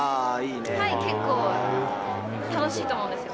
タイ、結構楽しいと思うんですよ